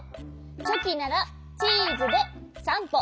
チョキならチーズで３ぽ。